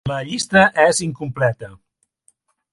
"La llista és incompleta".